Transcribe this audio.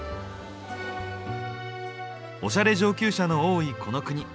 オシャレ上級者の多いこの国。